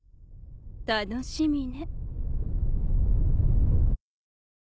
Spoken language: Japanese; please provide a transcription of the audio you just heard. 楽しみね。